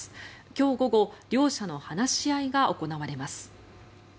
今日午後両者の話し合いが行われます。